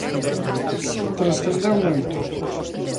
Transcendeu moito.